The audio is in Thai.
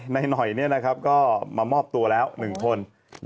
นายหน่อยก็มามอบตัวแล้ว๑คน